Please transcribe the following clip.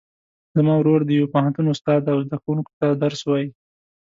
زما ورور د یو پوهنتون استاد ده او زده کوونکو ته درس وایي